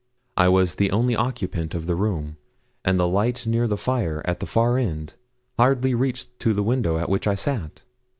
I was the only occupant of the room; and the lights near the fire, at its farther end, hardly reached to the window at which I sat.